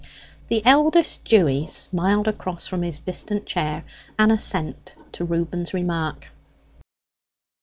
The eldest Dewy smiled across from his distant chair an assent to Reuben's remark.